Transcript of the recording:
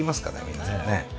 皆さんね。